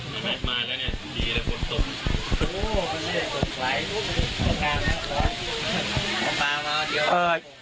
มาแล้วเนี่ยอรุณไหล